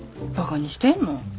ばかにしてんの？